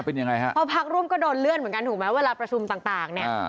พอพักร่วมก็โดนเลื่อนเหมือนกันถูกไหมเวลาประชุมต่าง